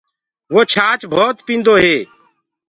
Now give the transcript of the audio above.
وو ڇآچ ڀوت پيٚندو هي۔